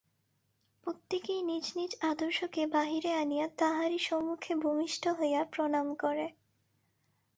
প্রত্যেকেই নিজ নিজ আদর্শকে বাহিরে আনিয়া তাহারই সম্মুখে ভূমিষ্ঠ হইয়া প্রণাম করে।